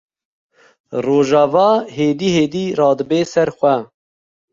Rojava hêdî hêdî radibe ser xwe.